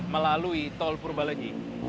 melalui jalur cikalong